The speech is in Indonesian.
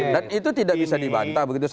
dan itu tidak bisa dibantah begitu